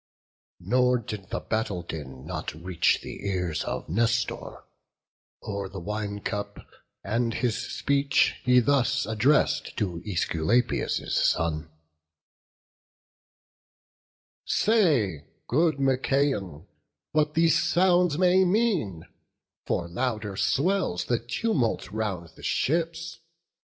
BOOK XIV. Nor did the battle din not reach the ears Of Nestor, o'er the wine cup; and his speech He thus address'd to Æsculapius' son: "Say, good Machaon, what these sounds may mean; For louder swells the tumult round the ships.